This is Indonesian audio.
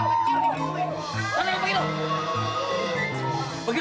udah kong keren kan